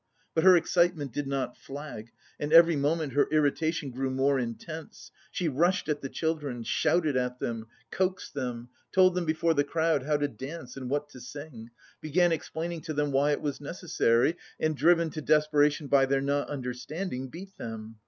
But her excitement did not flag, and every moment her irritation grew more intense. She rushed at the children, shouted at them, coaxed them, told them before the crowd how to dance and what to sing, began explaining to them why it was necessary, and driven to desperation by their not understanding, beat them....